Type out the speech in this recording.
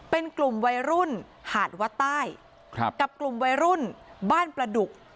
เป็นกลุ่มวัยรุ่นหาดวัดใต้กับกลุ่มวัยรุ่นบ้านประดุก